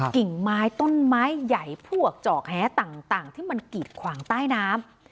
กิ่งไม้ต้นไม้ใหญ่พวกจอกแหต่างที่มันกีดขวางใต้น้ำ